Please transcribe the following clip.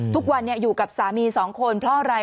ทุกวันอยู่กับสามี๒คนเพราะอะไร